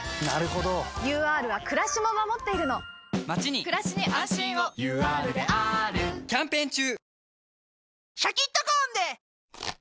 ＵＲはくらしも守っているのまちにくらしに安心をＵＲであーるキャンペーン中！